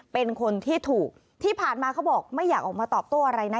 เป็นคนที่ถูกที่ผ่านมาเขาบอกไม่อยากออกมาตอบโต้อะไรนะ